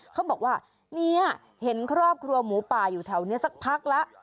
เขาบอกว่าเนี่ยเห็นครอบครัวหมูป่าอยู่แถวนี้สักพักแล้ว